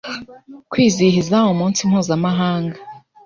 kwizihiza umunsi mpuzamahanga